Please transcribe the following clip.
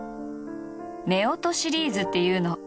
メオトシリーズっていうの。